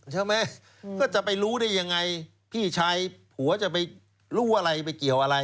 ใช่ไหมก็จะไปรู้ได้ยังไงพี่ชายผัวจะไปรู้อะไรไปเกี่ยวอะไร